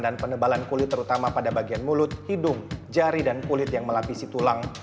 dan penebalan kulit terutama pada bagian mulut hidung jari dan kulit yang melapisi tulang